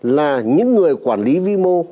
là những người quản lý vĩ mô